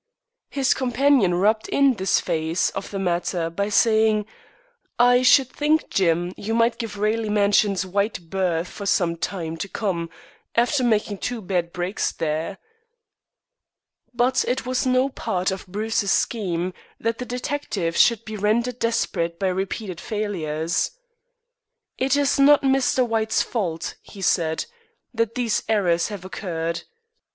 His companion rubbed in this phase of the matter by saying: "I should think, Jim, you will give Raleigh Mansions wide berth for some time to come, after making two bad breaks there." But it was no part of Bruce's scheme that the detective should be rendered desperate by repeated failures. "It is not Mr. White's fault," he said, "that these errors have occurred.